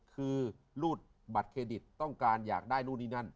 คือรูดบัตรเครดิตต้องการอยากได้นู่นนี่นั่น